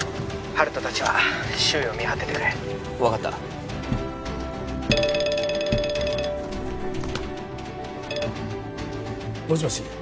温人達は周囲を見張っててくれ分かったもしもし？